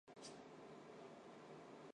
说不出话来